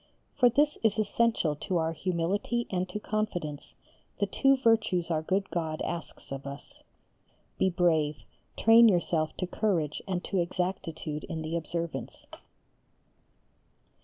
For this is essential to our humility and to confidence, the two virtues our good God asks of us. Be brave, train yourself to courage and to exactitude in the observance.